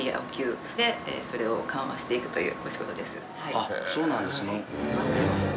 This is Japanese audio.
あっそうなんですね。